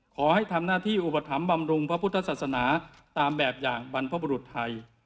ขอให้ทำหน้าที่อุปถัมภำรุงพระพุทธศาสนาตามแบบอย่างบรรพบรุษไทย